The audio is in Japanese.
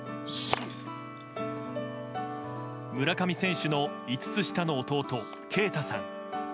村上選手の５つ下の弟慶太さん。